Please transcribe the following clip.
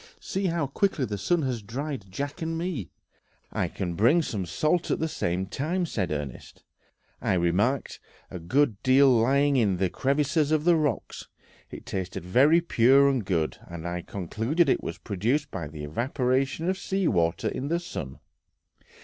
See how quickly the sun has dried Jack and me." "I can bring some salt at the same time," said Ernest. "I remarked a good deal lying in the crevices of the rocks; it tasted very pure and good, and I concluded it was produced by the evaporation of sea water in the sun."